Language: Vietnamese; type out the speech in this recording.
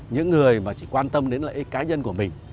những người mà chỉ quan tâm đến lợi ích cá nhân của mình